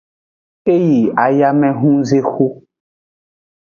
E yi ayamehunzexu.